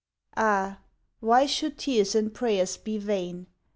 Ah, why should tears and prayers be vain